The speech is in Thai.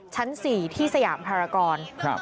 ชั้น๔ที่สยามภารกร